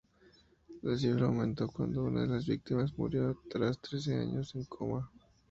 La cifra aumentó cuando una de las víctimas murió tras trece años en coma.